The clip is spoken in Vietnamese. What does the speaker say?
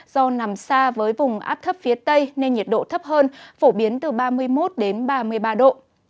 do nằm xa với vùng áp thấp phía tây nên nhiệt độ thấp hơn phổ biến từ ba mươi một đến ba mươi ba độ